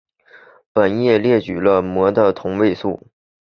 本页列举了镆的同位素。